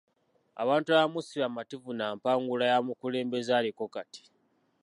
Abantu abamu si ba mativu na mpangula ya mukulembeze aliko kati.